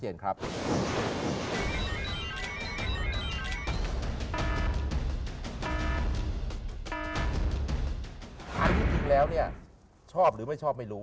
จริงแล้วเนี่ยชอบหรือไม่ชอบไม่รู้